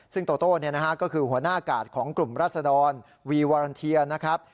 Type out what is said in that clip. ซึ่งโตโต้ก็คือหัวหน้ากาดของกลุ่มราศดรวีวารันเทียนะครับ